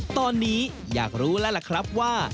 ตอนนี้อยากรู้แล้วล่ะครับว่า